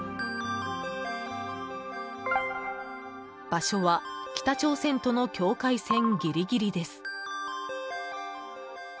場所は北朝鮮との境界線ギリギリです。